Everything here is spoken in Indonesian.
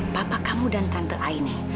bapak kamu dan tante aini